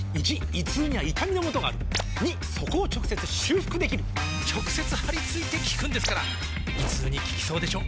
①胃痛には痛みのもとがある②そこを直接修復できる直接貼り付いて効くんですから胃痛に効きそうでしょ？